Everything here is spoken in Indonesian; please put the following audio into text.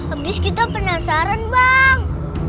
abis kita penasaran bang